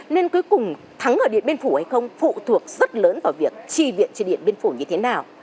nên cuối cùng thắng ở điện biên phủ hay không phụ thuộc rất lớn vào việc tri viện cho điện biên phủ như thế nào